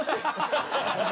ハハハハ！